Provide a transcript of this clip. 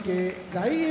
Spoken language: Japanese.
・大栄